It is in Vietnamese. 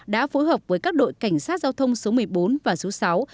đã phối hợp với các đội cảnh sát giao thông số một mươi bốn và số sáu